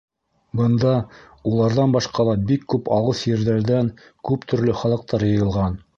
Бында уларҙан башҡа ла бик күп алыҫ ерҙәрҙән күп төрлө халыҡтар йыйылған.